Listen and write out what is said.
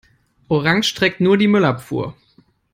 Orange trägt nur die Müllabfuhr.